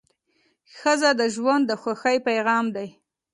ښځه د ژوند د خوښۍ پېغام ده.